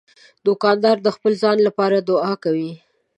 دوکاندار د خپل ځان لپاره دعا کوي.